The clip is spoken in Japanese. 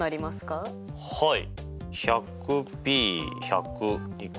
はい。